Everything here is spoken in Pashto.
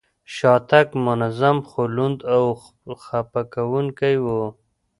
شاتګ منظم، خو لوند او خپه کوونکی و.